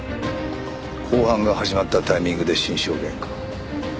公判が始まったタイミングで新証言か。